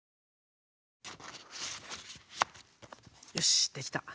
よしできた。